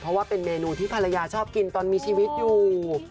เพราะว่าเป็นเมนูที่ภรรยาชอบกินตอนมีชีวิตอยู่